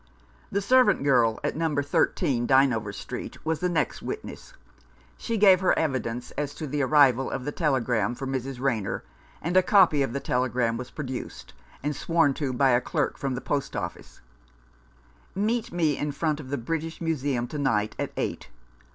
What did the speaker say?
The servant girl at No. 13, Dynevor Street, was the next witness. She gave her evidence as to the arrival of the telegram for Mrs. Rayner, and a copy of the telegram was produced, and sworn to by a clerk from the Post office :" Meet me in front of the British Museum to night at eight.